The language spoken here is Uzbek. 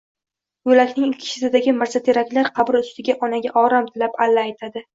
Yo‘lakning ikki chetidagi mirzateraklar qabr ustiga onaga orom tilab alla aytadi.